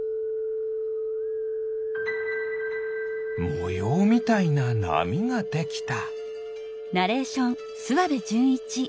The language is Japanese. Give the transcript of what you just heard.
もようみたいななみができた。